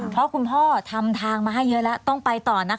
เพราะคุณพ่อทำทางมาให้เยอะแล้วต้องไปต่อนะคะ